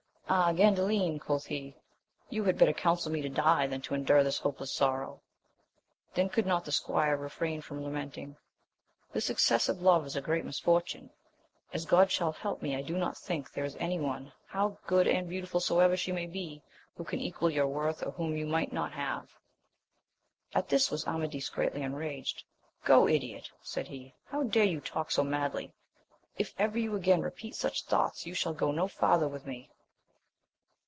Ah, Gandalin, quoth he, you had better counsel me to die, than to endure this hopeless sorrow ! Then could not the squire refrain from lamenting. — This excessive love is a great mis fortune; as God shall help me, I do not think that there is any one, how good and beautiful soever she may be, who can equal your worth, or whom you might not have. At this was Amadis greatly enraged : Go, idiot ! said he, how dare you talk so madly? if ever you again repeat such thoughts, you shall go no farther with me.